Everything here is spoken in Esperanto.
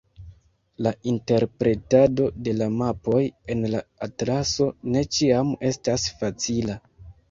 La interpretado de la mapoj en la atlaso ne ĉiam estas facila.